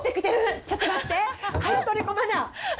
ちょっと待って！